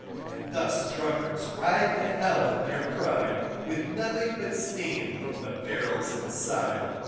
And thus drunkards ride to Hell in their pride, With nothing but steam from the barrels inside.